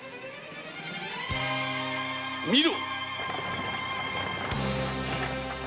見ろ！